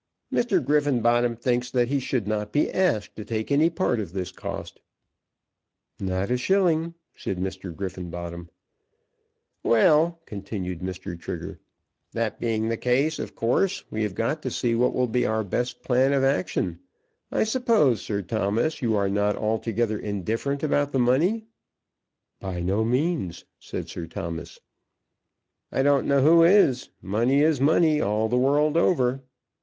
"Mr. Griffenbottom thinks that he should not be asked to take any part of this cost." "Not a shilling," said Mr. Griffenbottom. "Well," continued Mr. Trigger, "that being the case, of course we have got to see what will be our best plan of action. I suppose, Sir Thomas, you are not altogether indifferent about the money." "By no means," said Sir Thomas. "I don't know who is. Money is money all the world over."